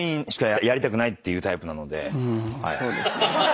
うんそうですね。